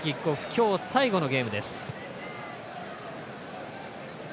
今日、最後のゲームです。